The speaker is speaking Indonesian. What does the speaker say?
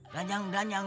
dan yang dan yang